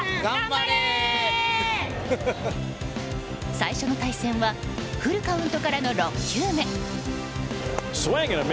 最初の対戦はフルカウントからの６球目。